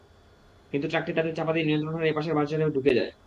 কিন্তু ট্রাকটি তাঁদের চাপা দিয়ে নিয়ন্ত্রণ হারিয়ে পাশের বাঁশঝাড়ে ঢুকে যায়।